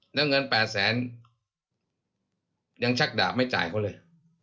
แล้วเงิน๘แสนยังชักดาบไม่จ่ายเขาเลย